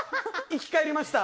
生き返りました。